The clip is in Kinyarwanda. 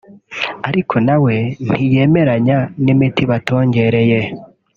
ariko nawe ntiyemeranya n’imiti batongereye